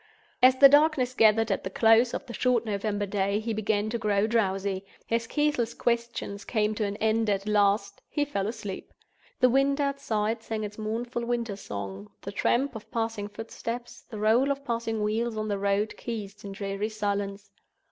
As the darkness gathered at the close of the short November day he began to grow drowsy—his ceaseless questions came to an end at last—he fell asleep. The wind outside sang its mournful winter song; the tramp of passing footsteps, the roll of passing wheels on the road ceased in dreary silence.